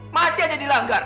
masih aja dilanggar